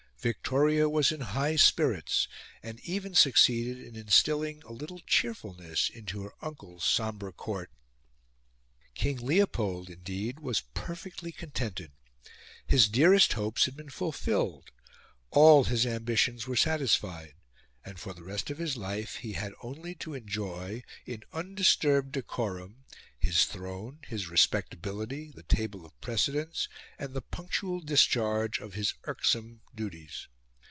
Victoria was in high spirits, and even succeeded in instilling a little cheerfulness into her uncle's sombre Court. King Leopold, indeed, was perfectly contented. His dearest hopes had been fulfilled; all his ambitions were satisfied; and for the rest of his life he had only to enjoy, in undisturbed decorum, his throne, his respectability, the table of precedence, and the punctual discharge of his irksome duties.